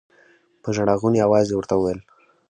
په ژړا غوني اواز يې ورته وويل.